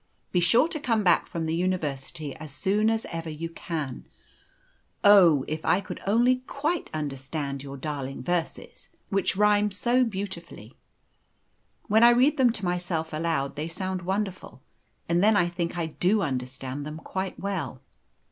Be sure to come back from the university as soon as ever you can. Oh! if I only could quite understand your darling verses, which rhyme so beautifully. When I read them to myself aloud they sound wonderful, and then I think I do understand them quite well.